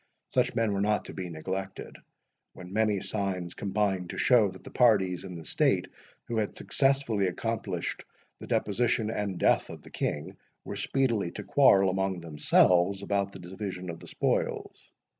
Such men were not to be neglected, when many signs combined to show that the parties in the state, who had successfully accomplished the deposition and death of the King, were speedily to quarrel among themselves about the division of the spoils.